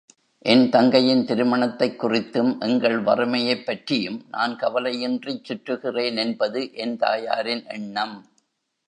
என் தங்கையின் திருமணத்தைக் குறித்தும், எங்கள் வறுமையைப் பற்றியும், நான் கவலையின்றிச் சுற்றுகிறேனென்பது என் தாயாரின் எண்ணம்.